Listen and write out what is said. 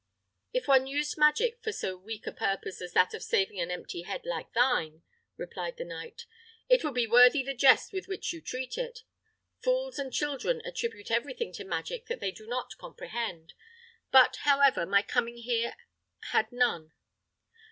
"If one used magic for so weak a purpose as that of saving an empty head like thine," replied the knight, "it would be worthy the jest with which you treat it. Fools and children attribute everything to magic that they do not comprehend; but, however, my coming here had none.